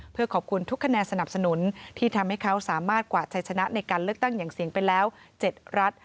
เพื่อขอบคุณทุกคะแนนสนับสนุนที่ทำให้เขาสามารถกวาดชัยชนะในการเลือกตั้งอย่างเสียงไปแล้ว๗รัฐ